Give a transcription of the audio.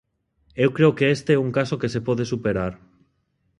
Eu creo que este é un caso que se pode superar.